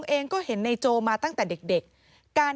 ที่มันก็มีเรื่องที่ดิน